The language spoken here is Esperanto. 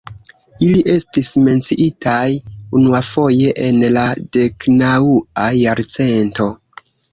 Ili estis menciitaj unuafoje en la deknaŭa jarcento.